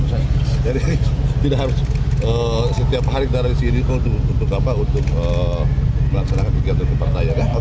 jadi tidak harus setiap hari tarik sini untuk apa untuk melaksanakan kegiatan keparta ya kan